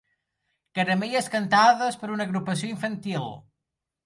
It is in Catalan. Caramelles cantades per una agrupació infantil.